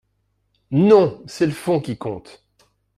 Non, c’est le fond qui compte.